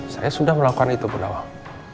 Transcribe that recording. saya sudah melakukan itu bu nawang